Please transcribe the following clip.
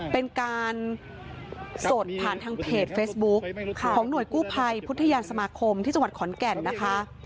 เป็นการสดผ่านทางเพจเฟซบุ๊กของหน่วยกู้ภัยพุทธยานสมาคมที่จังหวัดขอนแก่นนะคะ